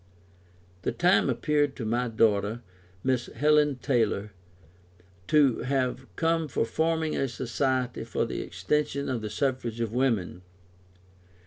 [The time appeared to my daughter, Miss Helen Taylor, to have come for forming a Society for the extension of the suffrage to women.